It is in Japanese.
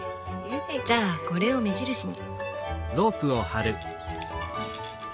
じゃあこれを目印に。